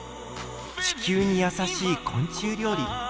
地球に優しい昆虫料理。